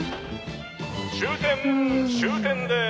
終点終点です。